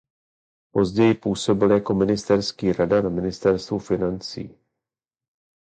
Později působil jako ministerský rada na ministerstvu financí.